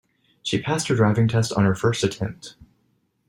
She passed her driving test on her first attempt.